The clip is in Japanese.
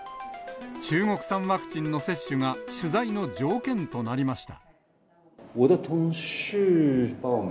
中国産ワクチンの接種が取材の条件となりました。